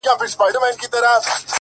گراني دې ځاى كي دغه كار وچاته څه وركوي ـ